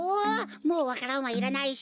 もうわか蘭はいらないし。